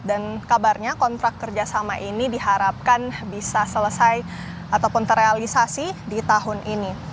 dan kabarnya kontrak kerja sama ini diharapkan bisa selesai ataupun terrealisasi di tahun ini